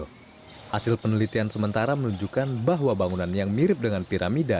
hasil penelitian sementara menunjukkan bahwa bangunan yang mirip dengan piramida